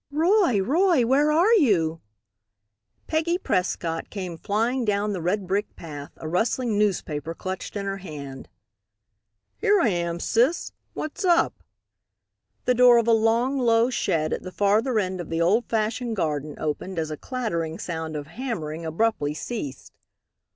"Roy! Roy! where are you?" Peggy Prescott came flying down the red brick path, a rustling newspaper clutched in her hand. "Here I am, sis, what's up?" The door of a long, low shed at the farther end of the old fashioned garden opened as a clattering sound of hammering abruptly ceased.